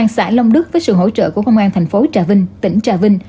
xã long đức với sự hỗ trợ của công an tp trà vinh tỉnh trà vinh